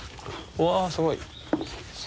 うわすごい。